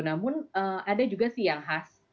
namun ada juga sih yang khas